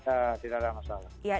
tidak ada masalah